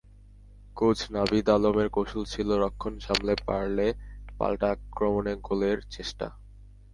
Coach Navid আলমের কৌশল ছিল রক্ষণ সামলে পারলে পাল্টা-আক্রমণে গোলের চেষ্টা।